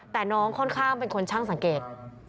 แต่น้องค่อนข้างเป็นคนช่างสังเกต